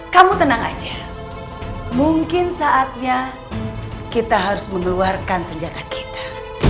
kamu tenang aja mungkin saatnya kita harus mengeluarkan senjata kita